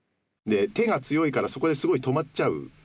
「て」が強いからそこですごい止まっちゃう。